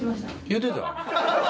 言うてた？